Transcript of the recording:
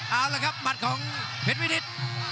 เอาละครับหมัดของเพชรวินิต